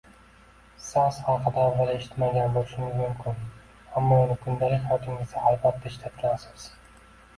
Saas haqida avval eshitmagan bo’lishingiz mumkin, ammo uni kundalik hayotingizda albatta ishlatgansiz